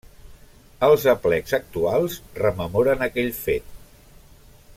Els aplecs actuals rememoren aquell fet.